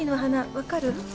分かる？